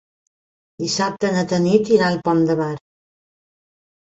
Dissabte na Tanit irà al Pont de Bar.